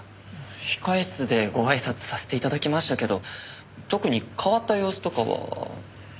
控室でご挨拶させて頂きましたけど特に変わった様子とかは。なあ？